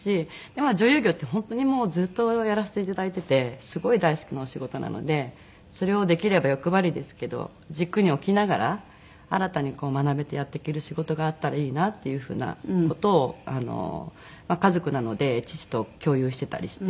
まあ女優業って本当にずっとやらせていただいててすごい大好きなお仕事なのでそれをできれば欲張りですけど軸に置きながら新たに学べてやっていける仕事があったらいいなっていう風な事を家族なので父と共有してたりして。